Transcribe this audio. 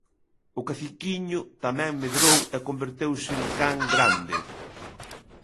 O caciquiño tamén medrou e converteuse en can grande.